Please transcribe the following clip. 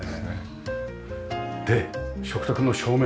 で食卓の照明。